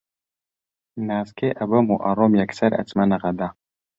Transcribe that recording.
نازکێ ئەبەم و ئەڕۆم یەکسەر ئەچمە نەغەدە